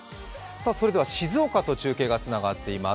静岡と中継がつながっています。